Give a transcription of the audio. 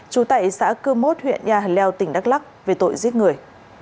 trú tại xã cư mốt huyện nhà hần leo tỉnh đắk lắc về tội giết người